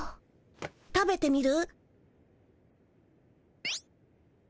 食べてみる？